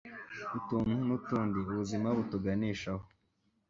Utuntu n'Utundi ubuzima butuganishaho